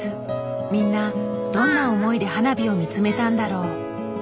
みんなどんな思いで花火を見つめたんだろう。